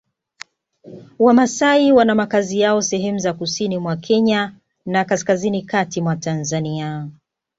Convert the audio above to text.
Wamasai wana makazi yao sehemu za Kusini mwa Kenya na Kaskazini kati mwa Tanzania